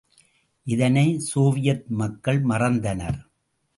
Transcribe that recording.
இதனை, சோவியத் மக்கள் மறந்தனர்.